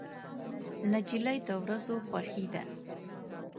نجلۍ د ورځو خوښي ده.